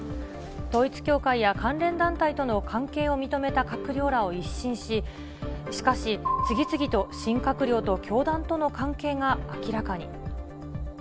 統一教会や関連団体との関係を認めた閣僚らを一新し、しかし、次々と新閣僚と教団との関係が明らかに。